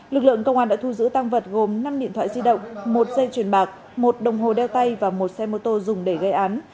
lực lượng công an đã thu giữ tăng vật gồm năm điện thoại di động một dây chuyền bạc một đồng hồ đeo tay và một xe mô tô dùng để gây án